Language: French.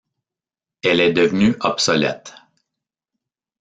Elle est devenue obsolète.